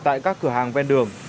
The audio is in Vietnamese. tại các cửa hàng ven đường